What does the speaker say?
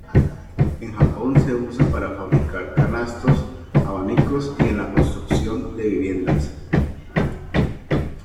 En Japón se usa para fabricar canastos, abanicos y en la construcción de viviendas.